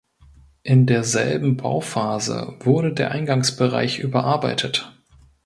In derselben Bauphase wurde der Eingangsbereich überarbeitet.